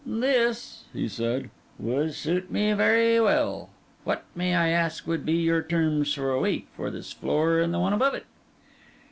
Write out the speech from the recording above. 'This,' he said, 'would suit me very well. What, may I ask, would be your terms a week, for this floor and the one above it?